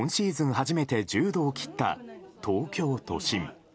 初めて１０度を切った東京都心。